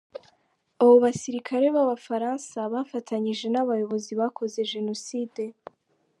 Abo basirikare b’abafaransa bafatanyije n’abayobozi bakoze jenoside.